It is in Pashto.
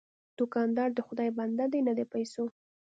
دوکاندار د خدای بنده دی، نه د پیسو.